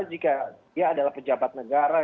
jika dia adalah pejabat negara